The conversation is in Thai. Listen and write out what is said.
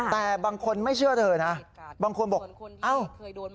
แต่บางคนไม่เชื่อเธอนะบางคนบอกอ้าว